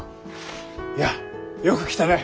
やあよく来たね。